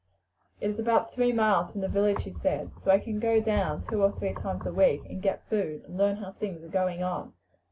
"It is about three miles from the village, he said. So I can go down two or three times a week and get food, and learn how things are going on.